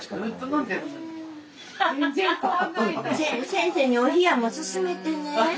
先生にお冷やも勧めてね。